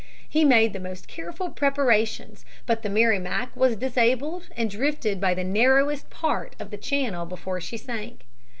He made the most careful preparations. But the Merrimac was disabled and drifted by the narrowest part of the channel before she sank.